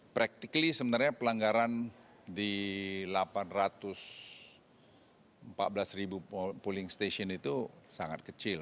praktik sebenarnya pelanggaran di delapan ratus empat belas ribu pooling station itu sangat kecil